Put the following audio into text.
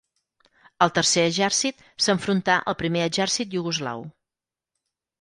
El Tercer Exèrcit s'enfrontà al Primer Exèrcit iugoslau.